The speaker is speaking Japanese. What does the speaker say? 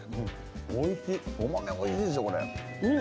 お豆おいしいですね、これ。